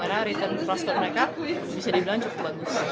karena return cross cut mereka bisa dibilang cukup bagus